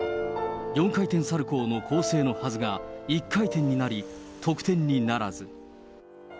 ４回転サルコーの構成のはずが、１回転になり、得点にならず。